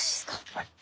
はい。